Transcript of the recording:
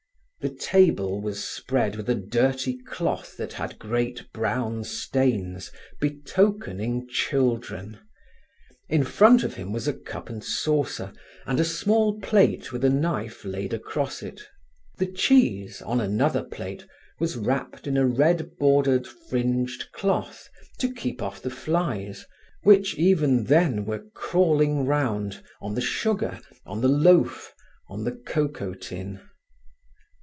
The table was spread with a dirty cloth that had great brown stains betokening children. In front of him was a cup and saucer, and a small plate with a knife laid across it. The cheese, on another plate, was wrapped in a red bordered, fringed cloth, to keep off the flies, which even then were crawling round, on the sugar, on the loaf, on the cocoa tin.